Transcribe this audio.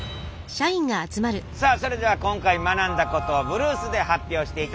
さあそれでは今回学んだことをブルースで発表していただきましょう。